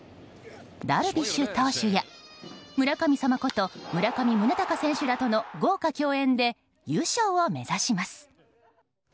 ダルビッシュ投手や村神様こと村上宗隆選手らとの豪華共演で優勝を目指します。